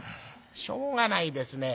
「しょうがないですね。